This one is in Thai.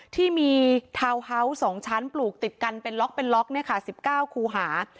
ที่มีทาวน์เฮ้าส์สองชั้นปลูกติดกันเป็นล็อกเป็นล็อกเนี้ยค่ะสิบเก้าครูหา